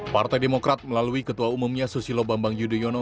partai demokrat melalui ketua umumnya susilo bambang yudhoyono